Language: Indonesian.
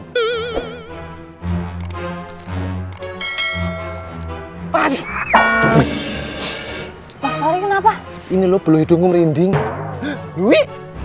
mas fahri kenapa ini lo beluh hidung merinding lui